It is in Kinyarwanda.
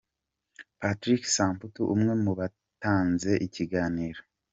Patrick Samputu umwe mu batanze ikiganiro.